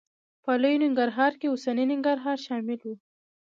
په لوی ننګرهار کې اوسنی ننګرهار شامل و.